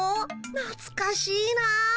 なつかしいな。